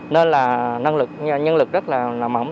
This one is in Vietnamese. nên là nhân lực rất là mỏng